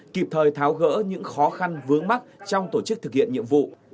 kịp thời tháo gỡ những khó khăn vướng mắt trong tổ chức thực hiện nhiệm vụ